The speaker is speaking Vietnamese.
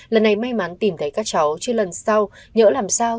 lần này may mắn tìm thấy các cháu chứ lần sau nhớ làm sao